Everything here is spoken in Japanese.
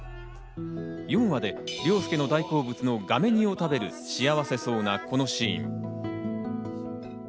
４話で凌介の大好物のがめ煮を食べる幸せそうなこのシーン。